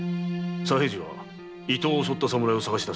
左平次は伊東を襲った侍を捜しだせ。